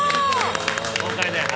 今回で。